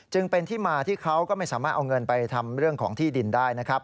จึงเป็นที่มาที่เขาก็ไม่สามารถเอาเงินไปทำเรื่องของที่ดินได้นะครับ